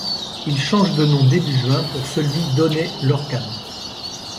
Il change de nom début juin pour celui d'Oney Lorcan.